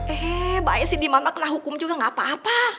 hehehe bahaya si diman mah kena hukum juga gapapa